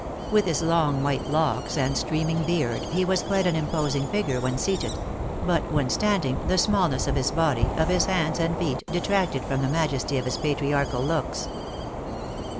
With his long white locks and streaming beard, he was quite an imposing figure when seated; but when standing, the smallness of his body, of his hands and feet, detracted from the majesty of his patriarchal looks.